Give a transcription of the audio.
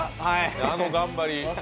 あの頑張り。